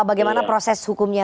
bagaimana proses hukumnya